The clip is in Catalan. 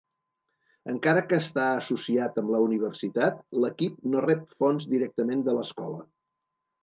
Encara que està associat amb la universitat, l'equip no rep fons directament de l'escola.